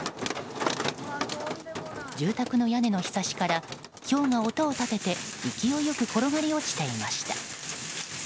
住宅の屋根のひさしからひょうが音を立てて勢いよく転がり落ちていました。